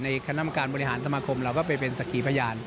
ในขณะมันการบริหารธรรมคมเราก็เป็นสักขีภายาน